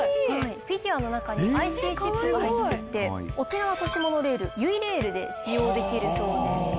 フィギュアの中にＩＣチップが入っていて沖縄都市モノレールゆいレールで使用できるそうです。